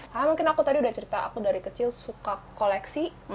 karena mungkin aku tadi udah cerita aku dari kecil suka koleksi